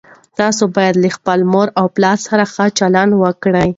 تاسو باید له خپلو مور او پلار سره ښه چلند وکړئ.